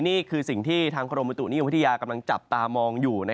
นี่คือสิ่งที่ทางกรมบุตุนิยมวิทยากำลังจับตามองอยู่